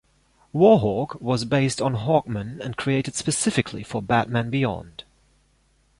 Warhawk was based on Hawkman and created specifically for "Batman Beyond".